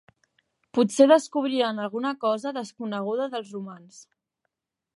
Potser descobriran alguna cosa desconeguda dels romans.